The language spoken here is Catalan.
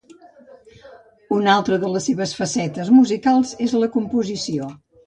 Una altra de les seves facetes musicals és la composició.